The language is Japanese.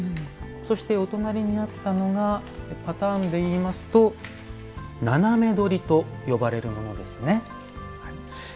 そして、お隣にあったのがパターンでいいますと斜め取りと呼ばれるものですね。